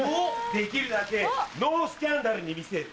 できるだけノースキャンダルに見せる。